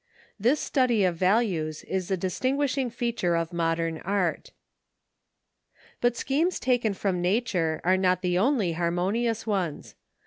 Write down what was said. This study of values is a distinguishing feature of modern art. But schemes taken from nature are not the only harmonious ones.